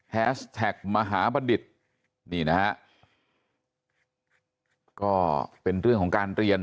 แฮชแท็กมหาบัณฑิตนี่นะฮะก็เป็นเรื่องของการเรียน